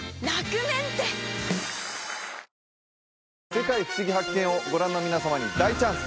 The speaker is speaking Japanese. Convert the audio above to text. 「世界ふしぎ発見！」をご覧の皆様に大チャンス！